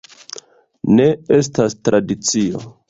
Ne, estas tradicio...